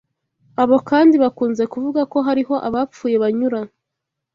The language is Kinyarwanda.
Abo kandi bakunze kuvuga ko hariho abapfuye banyura